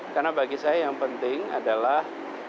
karena bagi saya yang penting adalah